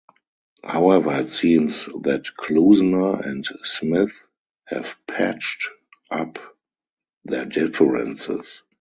However it seems that Klusener and Smith have patched up their differences.